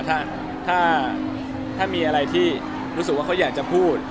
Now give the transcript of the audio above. ถ้ามีอะไรที่รู้สึกว่าเขาอยากจะพูด